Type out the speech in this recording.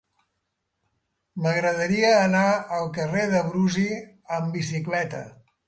M'agradaria anar al carrer de Brusi amb bicicleta.